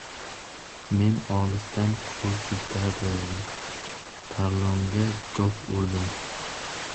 Men olisdan qo‘l siltadim. Tarlonga do‘q urdim: